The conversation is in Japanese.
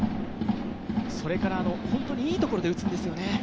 それから本当にいいところで打つんですよね。